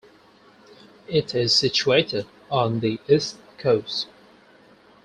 It is situated on the east coast.